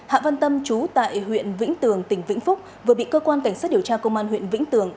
hạ văn tâm chú tại huyện vĩnh tường tỉnh vĩnh phúc vừa bị cơ quan cảnh sát điều tra công an huyện vĩnh tường